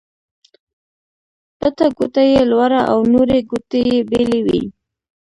بټه ګوته يي لوړه او نورې ګوتې يې بېلې وې.